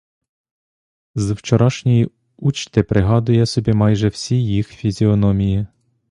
З вчорашньої учти пригадує собі майже всі їх фізіономії.